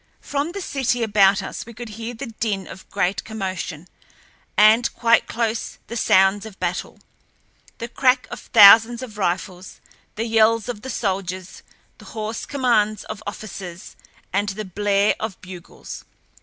From the city about us we could hear the din of great commotion, and quite close the sounds of battle—the crack of thousands of rifles, the yells of the soldiers, the hoarse commands of officers, and the blare of bugles.